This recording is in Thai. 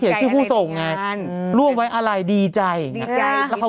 เขียนชื่อผู้ส่งไงอืมรวมไว้อะไรดีใจแบบนี้อ่ะอ่า